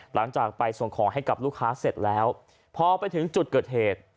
หลังจากไปส่งของให้กับลูกค้าเสร็จแล้วพอไปถึงจุดเกิดเหตุ